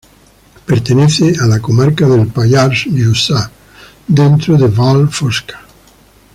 Pertenece a la comarca del Pallars Jussá, dentro de Vall Fosca.